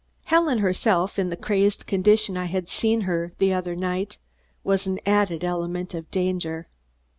Helen, herself, in the crazed condition I had seen her the other night, was an added element of danger.